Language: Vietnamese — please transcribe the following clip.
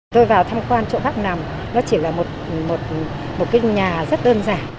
tôi vào tham quan chỗ bắc nằm nó chỉ là một cái nhà rất đơn giản